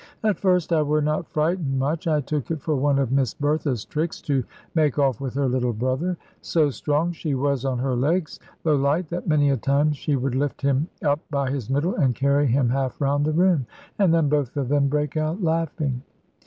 At first I were not frightened much. I took it for one of Miss Bertha's tricks, to make off with her little brother. So strong she was on her legs, though light, that many a time she would lift him up by his middle and carry him half round the room, and then both of them break out laughing.